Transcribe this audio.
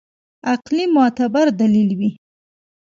عقلي معتبر دلیل وي.